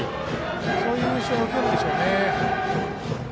そういう印象を受けるでしょうね。